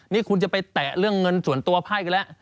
นี่คุณจะไปแตะเรื่องเงินส่วนตัวไพ่กันแล้ว